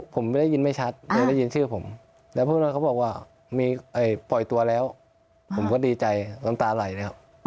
ผมได้ยินไม่ชัดได้ยินชื่อผมแล้วพวกนั้นเขาบอกว่าปล่อยตัวแล้วผมก็ดีใจตามตาไหลแล้ว